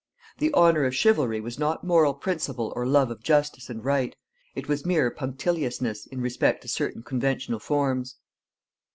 The honor of chivalry was not moral principle or love of justice and right; it was mere punctiliousness in respect to certain conventional forms.